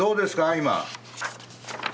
今。